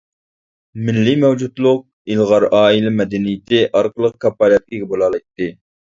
مىللىي مەۋجۇتلۇق ئىلغار ئائىلە مەدەنىيىتى ئارقىلىق كاپالەتكە ئىگە بولالايتتى.